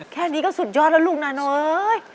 แค่นี้ก็สุดยอดแล้วลูกนาน้อย